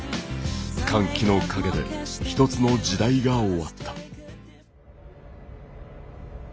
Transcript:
歓喜の陰で一つの時代が終わった。